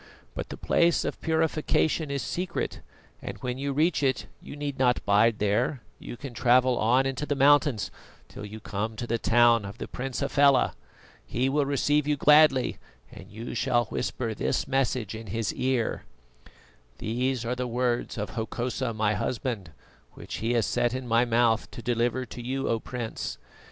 But the Place of Purification is secret, and when you reach it you need not bide there, you can travel on into the mountains till you come to the town of the Prince Hafela. He will receive you gladly, and you shall whisper this message in his ear: "'These are the words of Hokosa, my husband, which he has set in my mouth to deliver to you, O Prince.